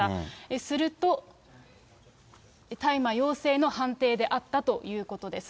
すると、大麻陽性の判定であったということです。